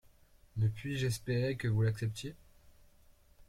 Ne puis-je espérer que vous l'acceptiez!